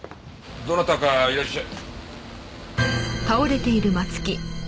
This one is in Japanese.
どなたかいらっしゃ。